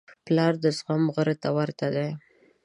پلار د زغم غره ته ورته دی.